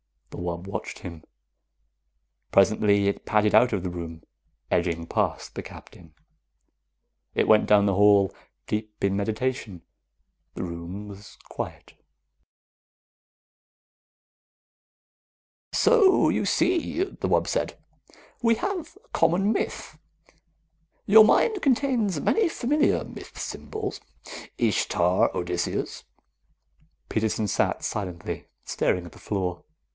The wub watched him. Presently it padded out of the room, edging past the Captain. It went down the hall, deep in meditation. The room was quiet. "So you see," the wub said, "we have a common myth. Your mind contains many familiar myth symbols. Ishtar, Odysseus " Peterson sat silently, staring at the floor.